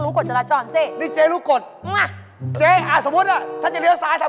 แสดงว่าเห็นผู้หญิงสวยเดินผ่านใช่ไหม